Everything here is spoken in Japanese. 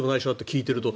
聞いてると。